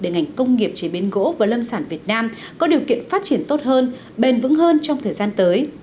để ngành công nghiệp chế biến gỗ và lâm sản việt nam có điều kiện phát triển tốt hơn bền vững hơn trong thời gian tới